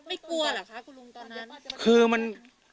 ไม่กลัวหรอคะคุณลุงตอนนั้น